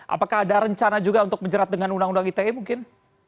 apakah ada rencana juga untuk menjerat dengan undang undang ite mungkin